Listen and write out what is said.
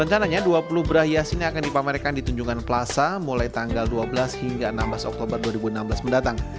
rencananya dua puluh bra hias ini akan dipamerkan di tunjungan plaza mulai tanggal dua belas hingga enam belas oktober dua ribu enam belas mendatang